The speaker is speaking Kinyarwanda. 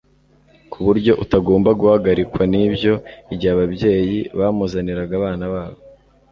ku buryo utagomba guhagarikwa n'ibyo. Igihe ababyeyi bamuzaniraga abana babo,